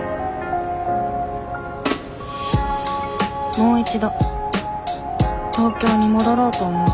もう一度東京に戻ろうと思う